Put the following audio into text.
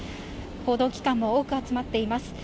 報道機関も多く集まっています。